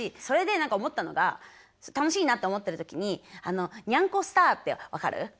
それで何か思ったのが楽しいなと思ってる時ににゃんこスターって分かる？